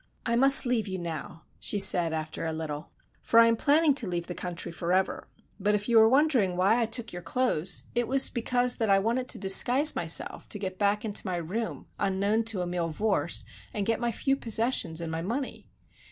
"I must leave you now," she said, after a little, "for I am planning to leave the country forever. But you are wondering why I took your clothes. It was because that I wanted to disguise myself to get back to my room unknown to Emile Vorse and get my few possessions and my money.